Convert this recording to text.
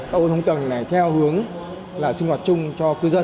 các hội thông tầng này theo hướng là sinh hoạt chung cho cư dân